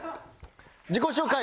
自己紹介